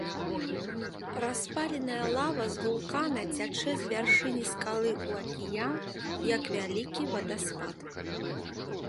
Распаленая лава з вулкана цячэ з вяршыні скалы ў акіян, як вялікі вадаспад.